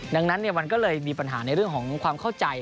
ดังนั้นมันก็เลยมีปัญหาในเรื่องของความเข้าใจ